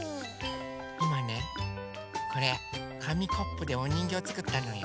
いまねこれかみコップでおにんぎょうをつくったのよ。